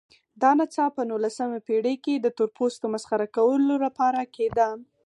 دا نڅا په نولسمه پېړۍ کې د تورپوستو مسخره کولو لپاره کېده.